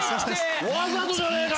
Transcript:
わざとじゃねえかよ！